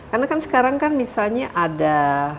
karena kan sekarang misalnya ada